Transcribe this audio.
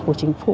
của chính phủ